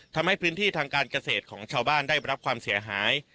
ทำให้พื้นที่ทางการเกษตรของชาวบ้านได้รับความเสียหาย